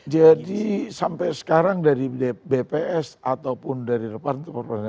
jadi sampai sekarang dari bps ataupun dari repartemen